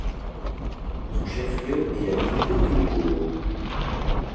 Son chef-lieu est la ville de Tumkur.